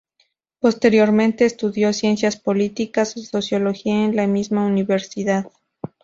Posteriormente estudió Ciencias Políticas y Sociología en la misma universidad.